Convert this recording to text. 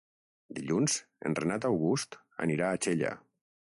Dilluns en Renat August anirà a Xella.